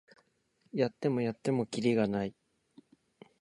やってもやってもキリがない